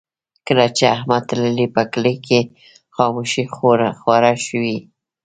کله چې احمد تللی، په کلي کې خاموشي خوره شوې ده.